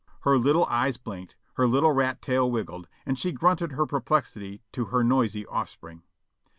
Her little eyes blinked, her little rat tail wiggled, and she grunted her perplexity to her noisy offspring.